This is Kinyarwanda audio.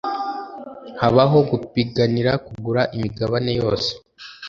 habaho gupiganira kugura imigabane yose